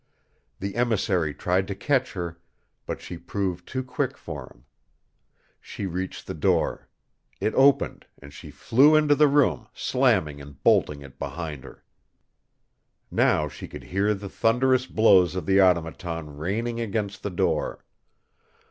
The emissary tried to catch her, but she proved too quick for him. She reached the door. It opened, and she flew into the room, slamming and bolting it behind her. Now she could hear the thunderous blows of the Automaton raining against the door.